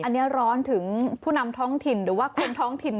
อันนี้ร้อนถึงผู้นำท้องถิ่นหรือว่าคนท้องถิ่น